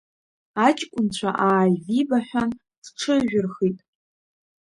Аҷкәынцәа ааивибаҳәан, дҽыжәырхит.